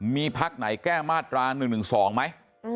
มีภักดิ์ไหนแก้มาตราหนึ่งหรือสองไหม